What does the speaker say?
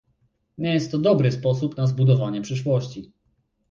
Nie jest to dobry sposób na zbudowanie przyszłości